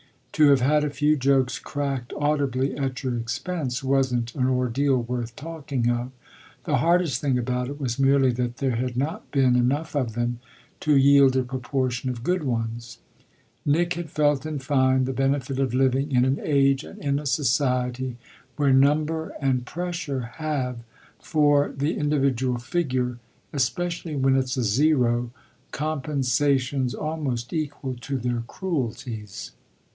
To have had a few jokes cracked audibly at your expense wasn't an ordeal worth talking of; the hardest thing about it was merely that there had not been enough of them to yield a proportion of good ones. Nick had felt in fine the benefit of living in an age and in a society where number and pressure have, for the individual figure, especially when it's a zero, compensations almost equal to their cruelties.